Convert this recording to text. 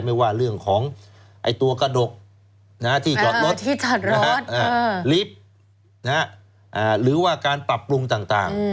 ไม่ว่าเรื่องของตัวกระดกที่จอดรถที่จอดรถลิฟท์หรือว่าการปรับปรุงต่าง